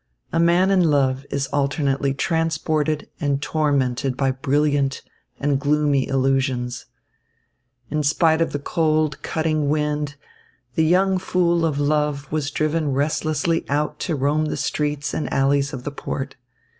A man in love is alternately transported and tormented by brilliant and gloomy illusions. In spite of the cold, cutting wind, the young fool of love was driven restlessly out to roam the streets and alleys of the port.